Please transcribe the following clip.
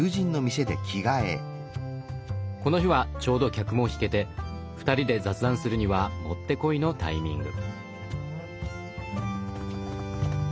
この日はちょうど客も引けて２人で雑談するにはもってこいのタイミング。